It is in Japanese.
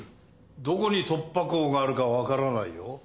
どこに突破口があるかわからないよ。